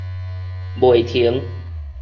袂停